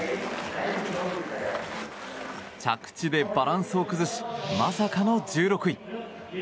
着地でバランスを崩しまさかの１６位。